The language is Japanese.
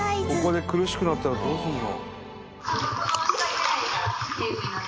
ここで苦しくなったらどうすんの？